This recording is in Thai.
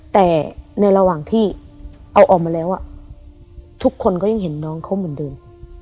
แต่ในระหว่างที่เอาออกมาแล้วทุกคนก็ยังเห็นน้องเขาเหมือนเดิม